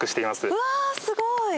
うわすごい！